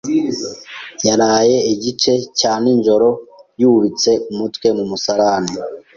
Yaraye igice cya nijoro yubitse umutwe mu musarani.